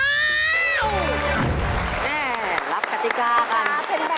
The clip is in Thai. แน่รับกระติกากัน